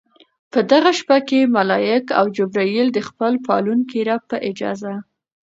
په دغه شپه کې ملائک او جبريل د خپل پالونکي رب په اجازه